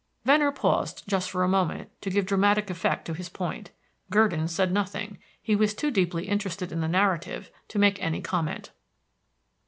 Venner paused just for a moment to give dramatic effect to his point. Gurdon said nothing; he was too deeply interested in the narrative to make any comment.